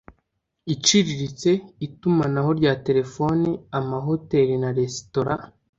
iciriritse itumanaho rya telefoni amahoteli na resitora